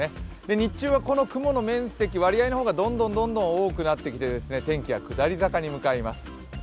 日中はこの雲の面積、割合の方がどんどん大きくなってきて天気は下り坂に向かいます。